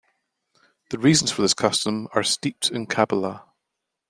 The reasons for this custom are steeped in Kabbalah.